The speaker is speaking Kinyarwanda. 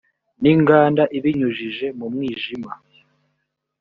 n inganda ibinyujije mu mwijima